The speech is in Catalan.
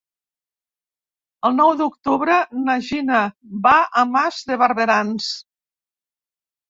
El nou d'octubre na Gina va a Mas de Barberans.